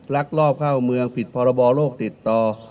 ลักลอบเข้าเมืองผิดพรบโรคติดต่อ